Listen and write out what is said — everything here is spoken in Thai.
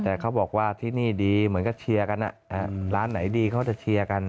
แต่เขาบอกว่าที่นี่ดีเหมือนก็เชียร์กันร้านไหนดีเขาจะเชียร์กัน